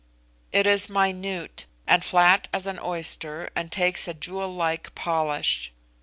It is minute, and flat as an oyster, and takes a jewel like polish.